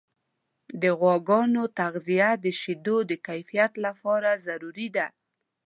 د غواګانو تغذیه د شیدو د کیفیت لپاره ضروري ده.